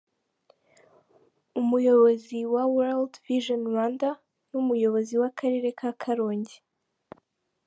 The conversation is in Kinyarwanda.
Umuyobozi wa World Vision Rwanda n’umuyobozi w’akarere ka Karongi.